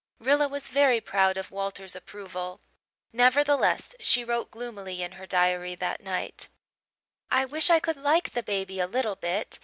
Rilla was very proud of Walter's approval; nevertheless, she wrote gloomily in her diary that night: "I wish I could like the baby a little bit.